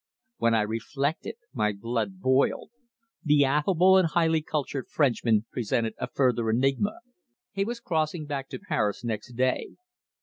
When I reflected my blood boiled. The affable and highly cultured Frenchman presented a further enigma. He was crossing back to Paris next day.